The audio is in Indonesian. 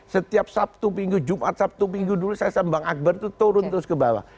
setiap sabtu minggu jumat sabtu minggu dulu saya sambang akbar itu turun terus ke bawah